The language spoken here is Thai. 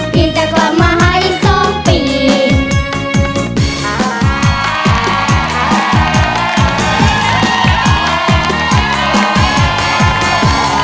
พี่จะกลับมาให้สมภีร์